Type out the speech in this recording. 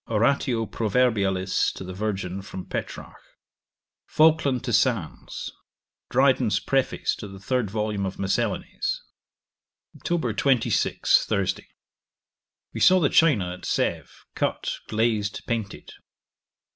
Oratio Proverbialis to the Virgin, from Petrarch; Falkland to Sandys; Dryden's Preface to the third vol. of Miscellanies. 'Oct. 26. Thursday. We saw the china at Sêve, cut, glazed, painted.